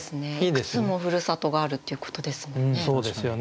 いくつもふるさとがあるっていうことですもんね。